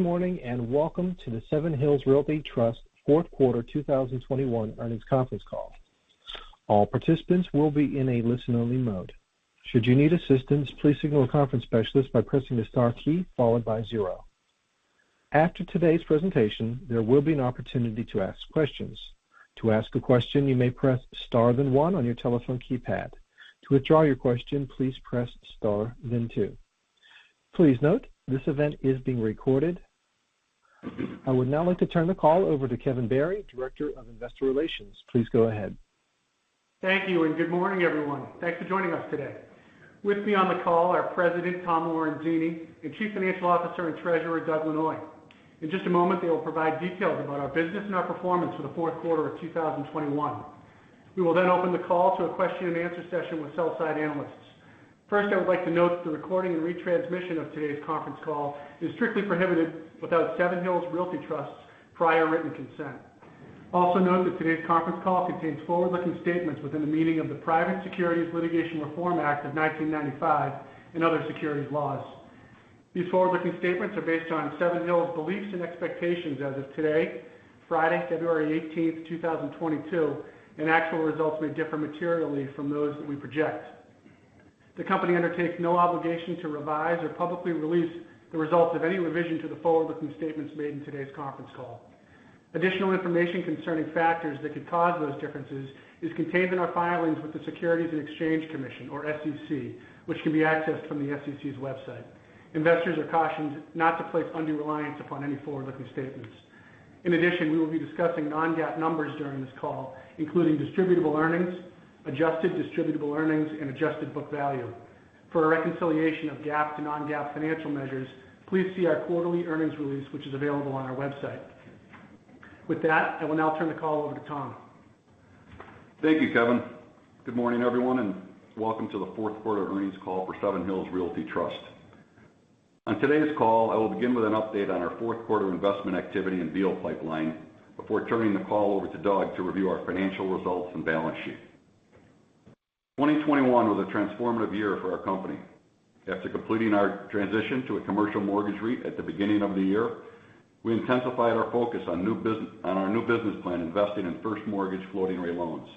Good morning, and welcome to the Seven Hills Realty Trust fourth quarter 2021 earnings conference call. All participants will be in a listen-only mode. Should you need assistance, please signal a conference specialist by pressing the star key followed by zero. After today's presentation, there will be an opportunity to ask questions. To ask a question, you may press star then one on your telephone keypad. To withdraw your question, please press star then two. Please note, this event is being recorded. I would now like to turn the call over to Kevin Barry, Director of Investor Relations. Please go ahead. Thank you, and good morning, everyone. Thanks for joining us today. With me on the call are President Tom Lorenzini and Chief Financial Officer and Treasurer Doug Lanois. In just a moment, they will provide details about our business and our performance for the fourth quarter of 2021. We will then open the call to a question-and-answer session with sell-side analysts. First, I would like to note that the recording and retransmission of today's conference call is strictly prohibited without Seven Hills Realty Trust's prior written consent. Also note that today's conference call contains forward-looking statements within the meaning of the Private Securities Litigation Reform Act of 1995 and other securities laws. These forward-looking statements are based on Seven Hills beliefs and expectations as of today, Friday, February 18, 2022, and actual results may differ materially from those that we project. The company undertakes no obligation to revise or publicly release the results of any revision to the forward-looking statements made in today's conference call. Additional information concerning factors that could cause those differences is contained in our filings with the Securities and Exchange Commission, or SEC, which can be accessed from the SEC's website. Investors are cautioned not to place undue reliance upon any forward-looking statements. In addition, we will be discussing non-GAAP numbers during this call, including distributable earnings, adjusted distributable earnings, and adjusted book value. For a reconciliation of GAAP to non-GAAP financial measures, please see our quarterly earnings release, which is available on our website. With that, I will now turn the call over to Tom. Thank you, Kevin. Good morning, everyone, and welcome to the fourth quarter earnings call for Seven Hills Realty Trust. On today's call, I will begin with an update on our fourth quarter investment activity and deal pipeline before turning the call over to Doug to review our financial results and balance sheet. 2021 was a transformative year for our company. After completing our transition to a commercial mortgage REIT at the beginning of the year, we intensified our focus on our new business plan, investing in first mortgage floating rate loans.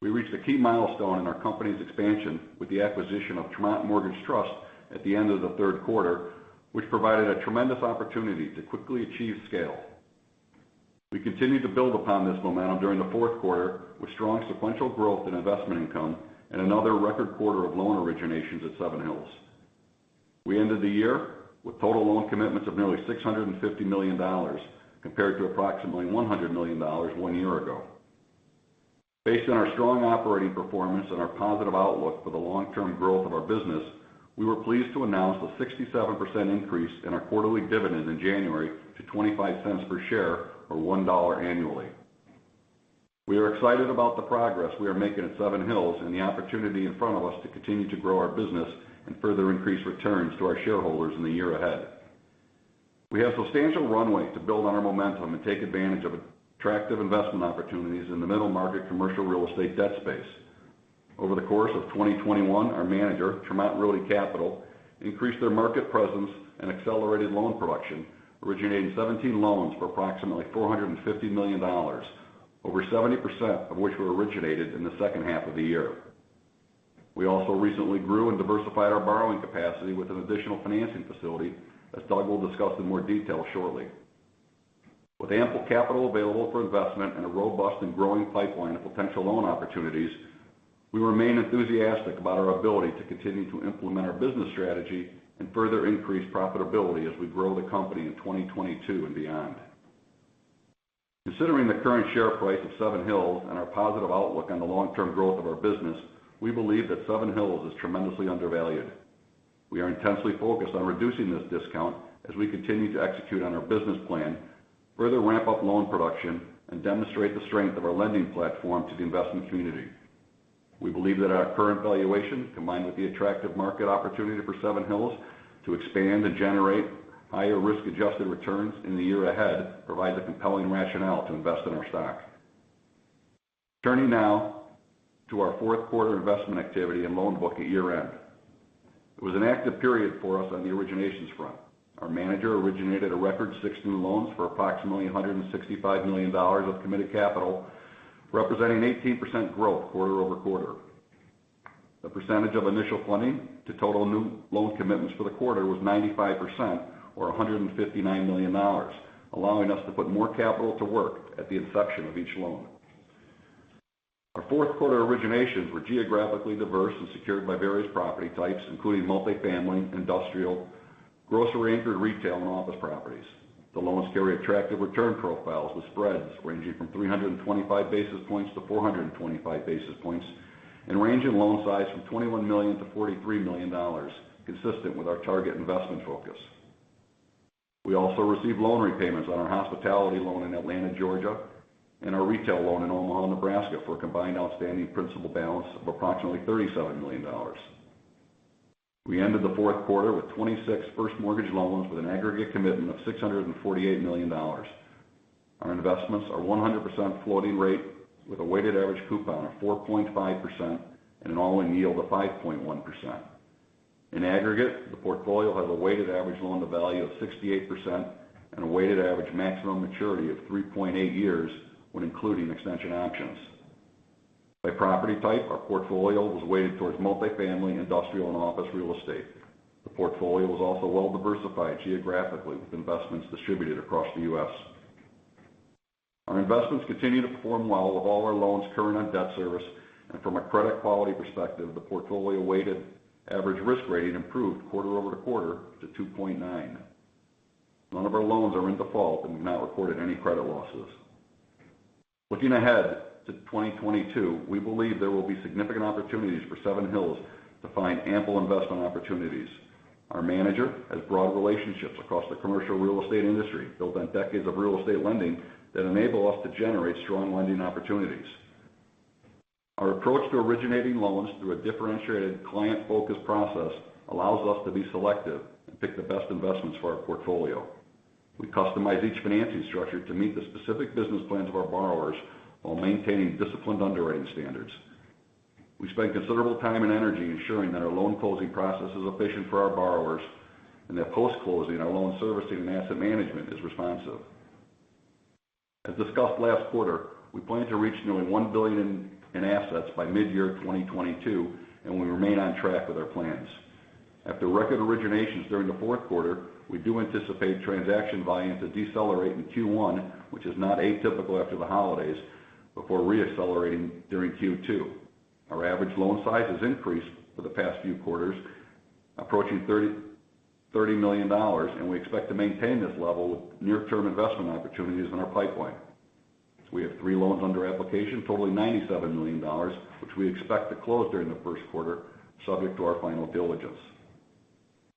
We reached a key milestone in our company's expansion with the acquisition of Tremont Mortgage Trust at the end of the third quarter, which provided a tremendous opportunity to quickly achieve scale. We continued to build upon this momentum during the fourth quarter with strong sequential growth in investment income and another record quarter of loan originations at Seven Hills. We ended the year with total loan commitments of nearly $650 million compared to approximately $100 million one year ago. Based on our strong operating performance and our positive outlook for the long-term growth of our business, we were pleased to announce a 67% increase in our quarterly dividend in January to $0.25 per share or $1 annually. We are excited about the progress we are making at Seven Hills and the opportunity in front of us to continue to grow our business and further increase returns to our shareholders in the year ahead. We have substantial runway to build on our momentum and take advantage of attractive investment opportunities in the middle market commercial real estate debt space. Over the course of 2021, our manager, Tremont Realty Capital, increased their market presence and accelerated loan production, originating 17 loans for approximately $450 million, over 70% of which were originated in the second half of the year. We also recently grew and diversified our borrowing capacity with an additional financing facility, as Doug will discuss in more detail shortly. With ample capital available for investment and a robust and growing pipeline of potential loan opportunities, we remain enthusiastic about our ability to continue to implement our business strategy and further increase profitability as we grow the company in 2022 and beyond. Considering the current share price of Seven Hills and our positive outlook on the long-term growth of our business, we believe that Seven Hills is tremendously undervalued. We are intensely focused on reducing this discount as we continue to execute on our business plan, further ramp up loan production, and demonstrate the strength of our lending platform to the investment community. We believe that our current valuation, combined with the attractive market opportunity for Seven Hills to expand and generate higher risk-adjusted returns in the year ahead, provides a compelling rationale to invest in our stock. Turning now to our fourth quarter investment activity and loan book at year-end. It was an active period for us on the originations front. Our manager originated a record 16 loans for approximately $165 million of committed capital, representing 18% growth quarter-over-quarter. The percentage of initial funding to total new loan commitments for the quarter was 95% or $159 million, allowing us to put more capital to work at the inception of each loan. Our fourth quarter originations were geographically diverse and secured by various property types, including multifamily, industrial, grocery-anchored retail, and office properties. The loans carry attractive return profiles with spreads ranging from 325 basis points to 425 basis points and range in loan size from $21 million to $43 million, consistent with our target investment focus. We also received loan repayments on our hospitality loan in Atlanta, Georgia, and our retail loan in Omaha, Nebraska, for a combined outstanding principal balance of approximately $37 million. We ended the fourth quarter with 26 first mortgage loans with an aggregate commitment of $648 million. Our investments are 100% floating rate with a weighted average coupon of 4.5% and an all-in yield of 5.1%. In aggregate, the portfolio has a weighted average loan to value of 68% and a weighted average maximum maturity of 3.8 years when including extension options. By property type, our portfolio was weighted towards multifamily, industrial and office real estate. The portfolio was also well diversified geographically, with investments distributed across the U.S. Our investments continue to perform well with all our loans current on debt service. From a credit quality perspective, the portfolio weighted average risk rating improved quarter-over-quarter to 2.9. None of our loans are in default, and we've not reported any credit losses. Looking ahead to 2022, we believe there will be significant opportunities for Seven Hills to find ample investment opportunities. Our manager has broad relationships across the commercial real estate industry built on decades of real estate lending that enable us to generate strong lending opportunities. Our approach to originating loans through a differentiated client-focused process allows us to be selective and pick the best investments for our portfolio. We customize each financing structure to meet the specific business plans of our borrowers while maintaining disciplined underwriting standards. We spend considerable time and energy ensuring that our loan closing process is efficient for our borrowers and that post-closing our loan servicing and asset management is responsive. As discussed last quarter, we plan to reach nearly $1 billion in assets by mid-year 2022, and we remain on track with our plans. After record originations during the fourth quarter, we do anticipate transaction volume to decelerate in Q1, which is not atypical after the holidays, before re-accelerating during Q2. Our average loan size has increased for the past few quarters, approaching $30 million, and we expect to maintain this level with near-term investment opportunities in our pipeline. We have three loans under application totaling $97 million, which we expect to close during the first quarter, subject to our final diligence.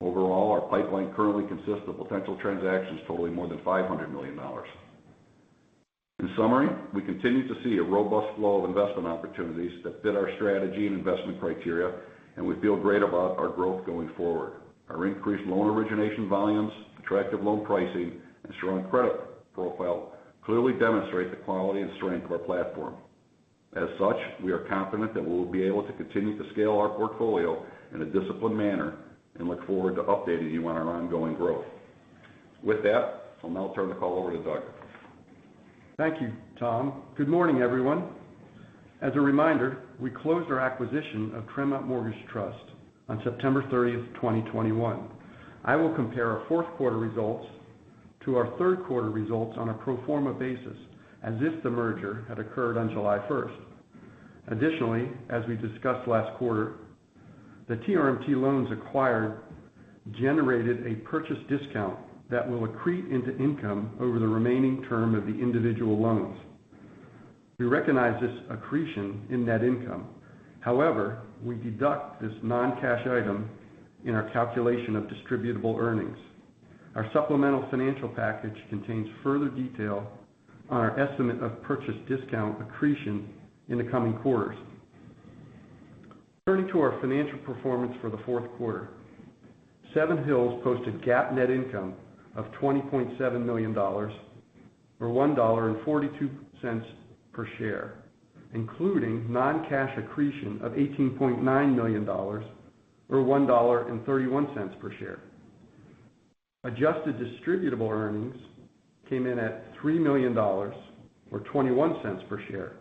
Overall, our pipeline currently consists of potential transactions totaling more than $500 million. In summary, we continue to see a robust flow of investment opportunities that fit our strategy and investment criteria, and we feel great about our growth going forward. Our increased loan origination volumes, attractive loan pricing, and strong credit profile clearly demonstrate the quality and strength of our platform. As such, we are confident that we will be able to continue to scale our portfolio in a disciplined manner and look forward to updating you on our ongoing growth. With that, I'll now turn the call over to Doug. Thank you, Tom. Good morning, everyone. As a reminder, we closed our acquisition of Tremont Mortgage Trust on September 30, 2021. I will ccompare our fourth quarter results to our third quarter results on a pro forma basis, as if the merger had occurred on July 1st. Additionally, as we discussed last quarter, the TRMT loans acquired generated a purchase discount that will accrete into income over the remaining term of the individual loans. We recognize this accretion in net income. However, we deduct this non-cash item in our calculation of distributable earnings. Our supplemental financial package contains further detail on our estimate of purchase discount accretion in the coming quarters. Turning to our financial performance for the fourth quarter. Seven Hills posted GAAP net income of $20.7 million, or $1.42 per share, including non-cash accretion of $18.9 million or $1.31 per share. Adjusted distributable earnings came in at $3 million or $0.21 per share.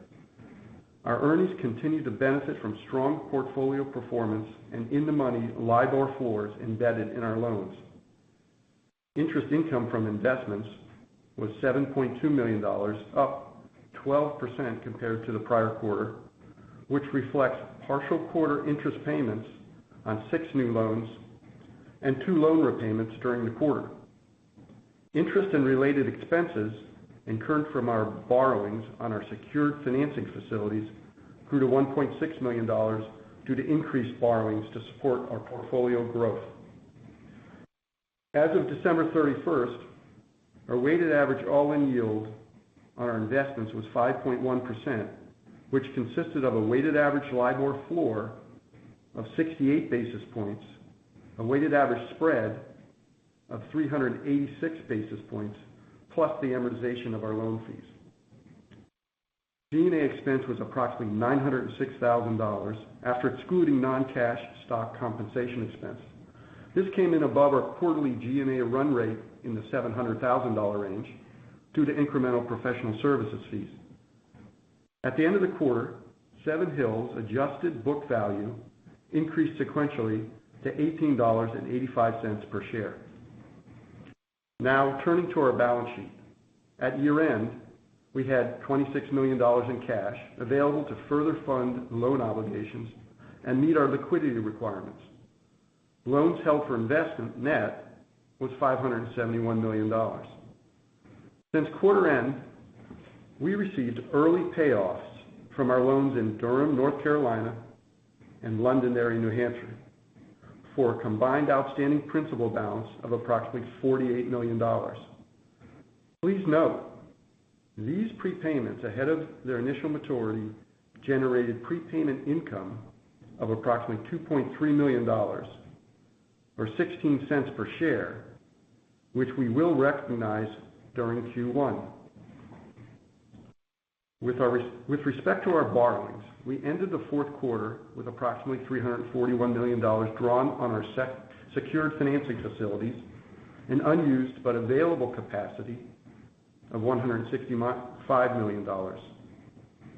Our earnings continue to benefit from strong portfolio performance and in the money LIBOR floors embedded in our loans. Interest income from investments was $7.2 million, up 12% compared to the prior quarter, which reflects partial quarter interest payments on six new loans and two loan repayments during the quarter. Interest and related expenses incurred from our borrowings on our secured financing facilities grew to $1.6 million due to increased borrowings to support our portfolio growth. As of December 31st, our weighted average all-in yield on our investments was 5.1%, which consisted of a weighted average LIBOR floor of 68 basis points, a weighted average spread of 386 basis points, plus the amortization of our loan fees. G&A expense was approximately $906 thousand after excluding non-cash stock compensation expense. This came in above our quarterly G&A run rate in the $700 thousand range due to incremental professional services fees. At the end of the quarter, Seven Hills Adjusted Book Value increased sequentially to $18.85 per share. Now, turning to our balance sheet. At year-end, we had $26 million in cash available to further fund loan obligations and meet our liquidity requirements. Loans held for investment net was $571 million. Since quarter end, we received early payoffs from our loans in Durham, North Carolina, and Londonderry, New Hampshire, for a combined outstanding principal balance of approximately $48 million. Please note, these prepayments ahead of their initial maturity generated prepayment income of approximately $2.3 million or $0.16 per share, which we will recognize during Q1. With respect to our borrowings, we ended the fourth quarter with approximately $341 million drawn on our secured financing facilities, an unused but available capacity of $165 million.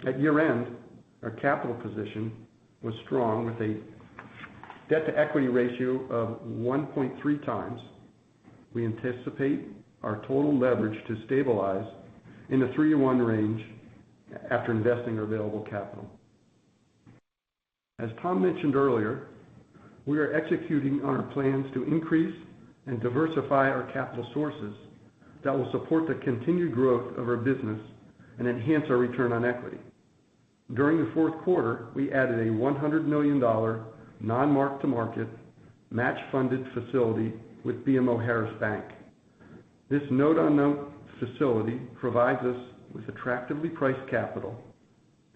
At year-end, our capital position was strong with a debt-to-equity ratio of 1.3x. We anticipate our total leverage to stabilize in the 3-to-1 range after investing our available capital. As Tom mentioned earlier, we are executing on our plans to increase and diversify our capital sources that will support the continued growth of our business and enhance our return on equity. During the fourth quarter, we added a $100 million non-mark-to-market match funded facility with BMO Harris Bank. This note on note facility provides us with attractively priced capital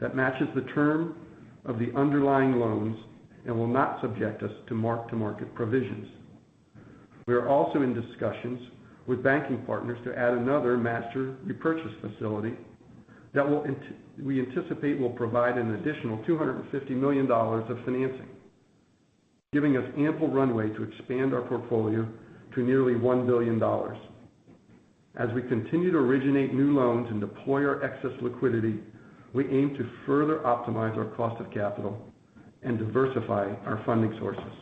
that matches the term of the underlying loans and will not subject us to mark-to-market provisions. We are also in discussions with banking partners to add another master repurchase facility we anticipate will provide an additional $250 million of financing, giving us ample runway to expand our portfolio to nearly $1 billion. As we continue to originate new loans and deploy our excess liquidity, we aim to further optimize our cost of capital and diversify our funding sources.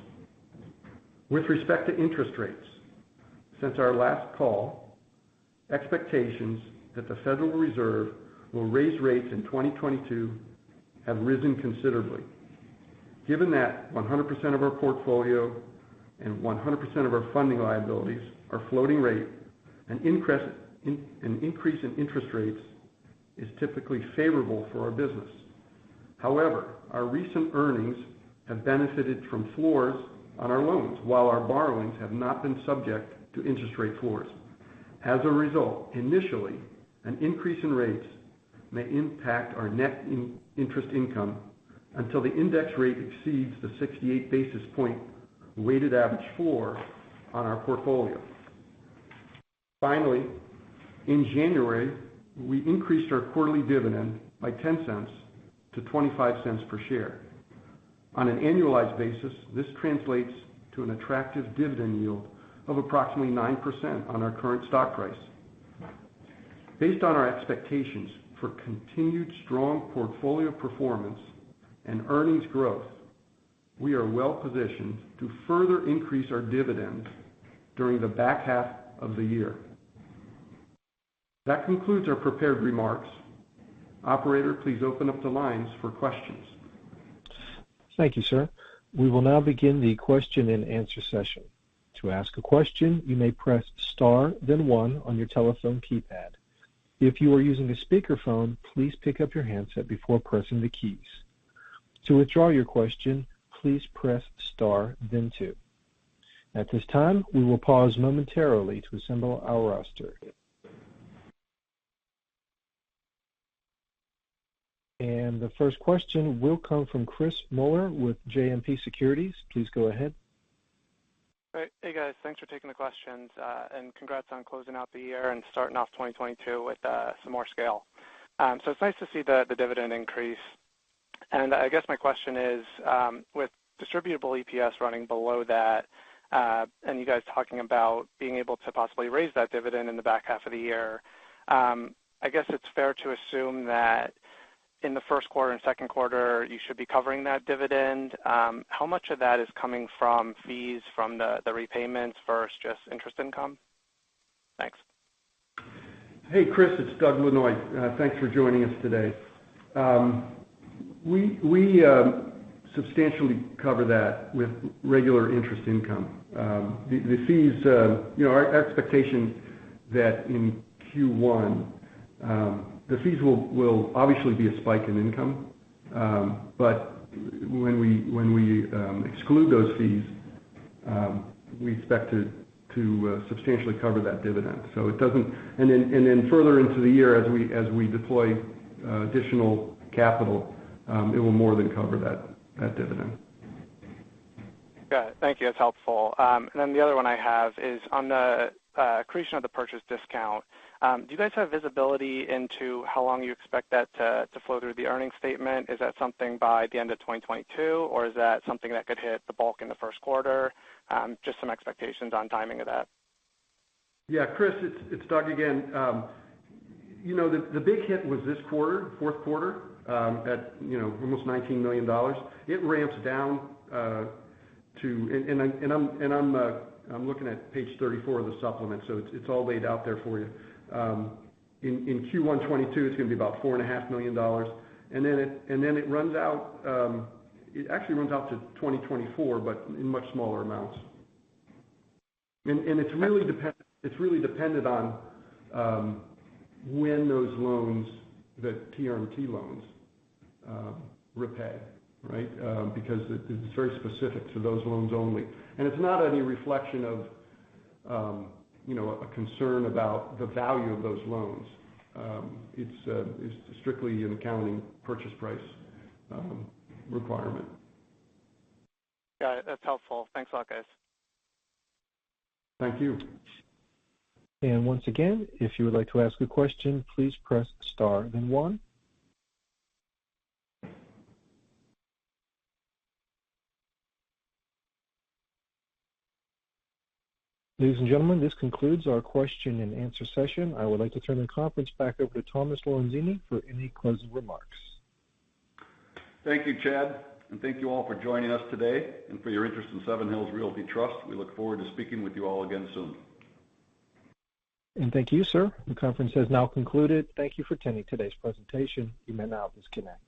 With respect to interest rates, since our last call, expectations that the Federal Reserve will raise rates in 2022 have risen considerably. Given that 100% of our portfolio and 100% of our funding liabilities are floating rate, an increase in interest rates is typically favorable for our business. However, our recent earnings have benefited from floors on our loans, while our borrowings have not been subject to interest rate floors. As a result, initially, an increase in rates may impact our net interest income until the index rate exceeds the 68 basis points weighted average floor on our portfolio. Finally, in January, we increased our quarterly dividend by $0.10 to $0.25 per share. On an annualized basis, this translates to an attractive dividend yield of approximately 9% on our current stock price. Based on our expectations for continued strong portfolio performance and earnings growth, we are well-positioned to further increase our dividends during the back half of the year. That concludes our prepared remarks. Operator, please open up the lines for questions. Thank you, sir. We will now begin the question and answer session. To ask a question, you may press star then one on your telephone keypad. If you are using a speakerphone, please pick up your handset before pressing the keys. To withdraw your question, please press star then two. At this time, we will pause momentarily to assemble our roster. The first question will come from Chris Muller with JMP Securities. Please go ahead. All right. Hey guys. Thanks for taking the questions, and congrats on closing out the year and starting off 2022 with some more scale. It's nice to see the dividend increase. I guess my question is, with distributable EPS running below that, and you guys talking about being able to possibly raise that dividend in the back half of the year, I guess it's fair to assume that in the first quarter and second quarter you should be covering that dividend. How much of that is coming from fees from the repayments versus just interest income? Thanks. Hey, Chris, it's Doug Lanois. Thanks for joining us today. We substantially cover that with regular interest income. The fees, you know, our expectation that in Q1, the fees will obviously be a spike in income. But when we exclude those fees, we expect to substantially cover that dividend. It doesn't. Then further into the year as we deploy additional capital, it will more than cover that dividend. Got it. Thank you. That's helpful. The other one I have is on the accretion of the purchase discount. Do you guys have visibility into how long you expect that to flow through the earnings statement? Is that something by the end of 2022, or is that something that could hit the bulk in the first quarter? Just some expectations on timing of that. Yeah. Chris, it's Doug again. You know, the big hit was this quarter, fourth quarter, at, you know, almost $19 million. It ramps down to. I'm looking at page 34 of the supplement, so it's all laid out there for you. In Q1 2022, it's gonna be about $4.5 million. Then it runs out, it actually runs out to 2024, but in much smaller amounts. It's really dependent on when those loans, the TRMT loans, repay, right? Because it's very specific to those loans only. It's not any reflection of you know, a concern about the value of those loans. It's strictly an accounting purchase price requirement. Got it. That's helpful. Thanks a lot, guys. Thank you. Once again, if you would like to ask a question, please press star then one. Ladies and gentlemen, this concludes our question and answer session. I would like to turn the conference back over to Thomas Lorenzini for any closing remarks. Thank you, Chad, and thank you all for joining us today and for your interest in Seven Hills Realty Trust. We look forward to speaking with you all again soon. Thank you, sir. The conference has now concluded. Thank you for attending today's presentation. You may now disconnect.